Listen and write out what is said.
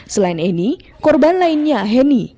selain annie korban lainnya henny